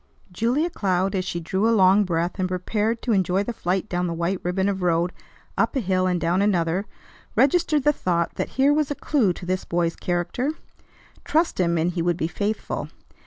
Julia Cloud, as she drew a long breath and prepared, to enjoy the flight down the white ribbon of road, up a hill and down another, registered the thought that here was a clew to this boy's character. Trust him, and he would be faithful.